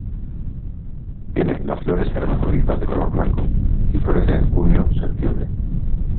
Tiene las flores hermafroditas de color blanco y florece en junio-septiembre.